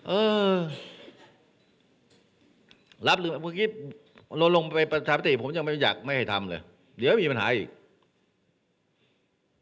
เออรับหรือเมื่อกี้เราลงไปประชาปฏิผมยังไม่อยากไม่ให้ทำเลยเดี๋ยวมีปัญหาอีก